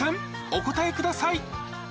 お答えください